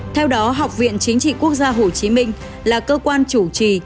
theo đó học viện chính trị quốc gia hồ chí minh là cơ quan chủ trì